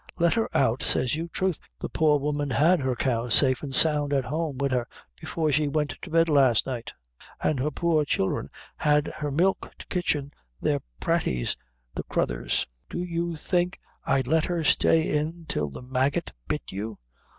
Let her out, says you. Troth, the poor woman had her cow safe and sound at home wid her before she went to bed last night, and her poor childre had her milk to kitchen their praties, the craythurs. Do you think I'd let her stay in till the maggot bit you?